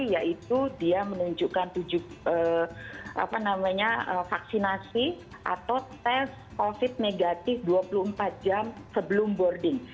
yaitu dia menunjukkan tujuh apa namanya vaksinasi atau tes covid negatif dua puluh empat jam sebelum boarding